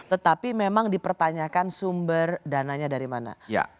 tetapi memang dipertanyakan sumber dananya dari mana